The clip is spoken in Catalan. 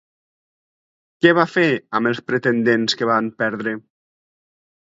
Què va fer amb els pretendents que van perdre?